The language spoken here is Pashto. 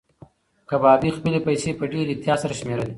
کبابي خپلې پیسې په ډېر احتیاط سره شمېرلې.